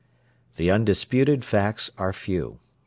The undisputed facts are few.